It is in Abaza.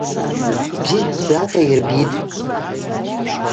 Бзидздзата йырбитӏ.